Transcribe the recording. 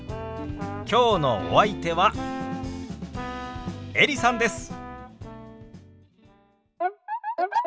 きょうのお相手はエリさんです。